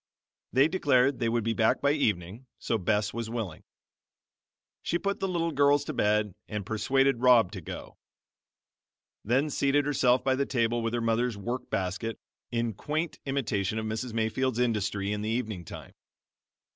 They declared they would be back by evening, so Bess was willing. She put the little girls to bed and persuaded Rob to go; then seated herself by the table with her mother's work basket, in quaint imitation of Mrs. Mayfield's industry in the evening time.